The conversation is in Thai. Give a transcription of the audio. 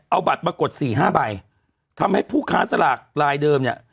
เอาบัตรมากดสี่ห้าใบทำให้ผู้ค้าสลากลายเดิมเนี่ย